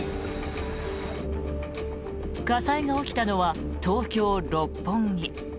火災が起きたのは東京・六本木。